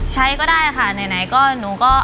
ใช้ก็ได้ค่ะหนูนะครับ